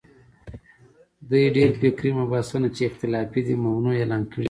دوی ډېر فکري مبحثونه چې اختلافي دي، ممنوعه اعلان کړي دي